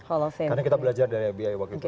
karena kita belajar dari ebi waktu itu